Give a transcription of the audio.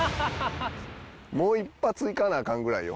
もう一発いかなアカンぐらいよ